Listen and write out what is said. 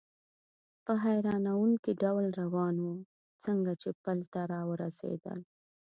په حیرانوونکي ډول روان و، څنګه چې پل ته را ورسېدل.